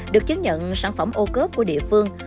được chứng nhận sản phẩm ô cớp của địa phương